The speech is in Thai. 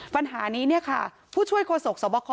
ปัญหานี้ผู้ช่วยโคณศกสวควะคอ